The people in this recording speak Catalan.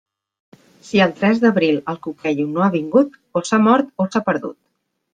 Si el tres d'abril el cuquello no ha vingut, o s'ha mort o s'ha perdut.